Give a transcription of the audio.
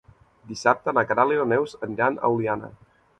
Dissabte na Queralt i na Neus aniran a Oliana.